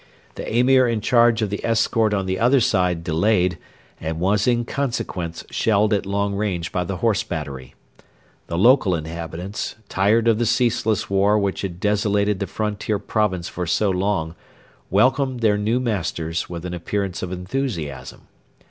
The Emir in charge of the escort on the other side delayed, and was in consequence shelled at long range by the Horse battery. The local inhabitants, tired of the ceaseless war which had desolated the frontier province for so long, welcomed their new masters with an appearance of enthusiasm.